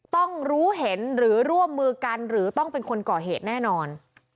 ต้องรู้เห็นหรือร่วมมือกันหรือต้องเป็นคนก่อเหตุแน่นอน